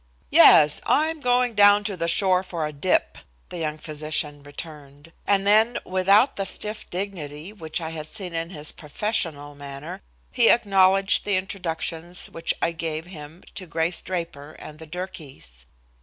"Yes, I'm going down to the shore for a dip," the young physician returned. And then without the stiff dignity which I had seen in his professional manner, he acknowledged the introductions which I gave him to Grace Draper and the Durkees.